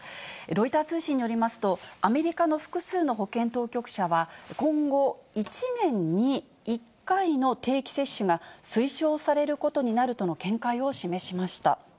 ロイター通信によりますと、アメリカの複数の保健当局者は、今後、１年に１回の定期接種が推奨されることになるとの見解を示しました。